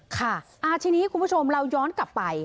ค่ะทีนี้คุณผู้ชมเราย้อนกลับไป